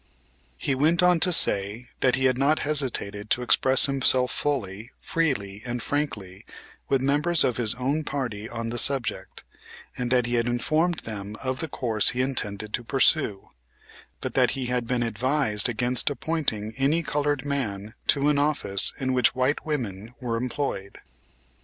He went on to say that he had not hesitated to express himself fully, freely and frankly with members of his own party on the subject, and that he had informed them of the course he intended to pursue; but that he had been advised against appointing any colored man to an office in which white women were employed.